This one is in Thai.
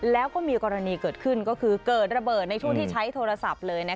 แล้วก็มีกรณีเกิดขึ้นก็คือเกิดระเบิดในช่วงที่ใช้โทรศัพท์เลย